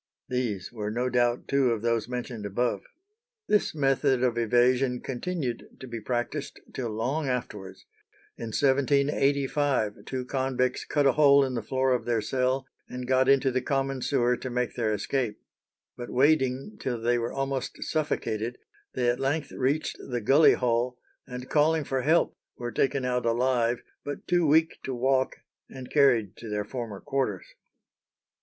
These were no doubt two of those mentioned above. This method of evasion continued to be practised till long afterwards. In 1785 two convicts cut a hole in the floor of their cell, and got into the common sewer to make their escape. "But wading till they were almost suffocated, they at length reached the gully hole, and calling for help, were taken out alive, but too weak to walk, and carried to their former quarters."